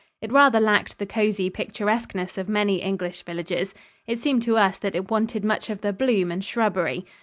It rather lacked the cozy picturesqueness of many English villages. It seemed to us that it wanted much of the bloom and shrubbery.